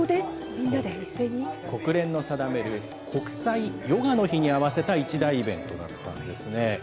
国連の定める国際ヨガの日に合わせた一大イベントだったんですね。